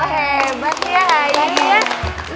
hebat ya ayu